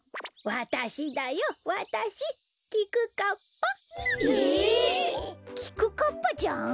わたしだよわたしきくかっぱ。え？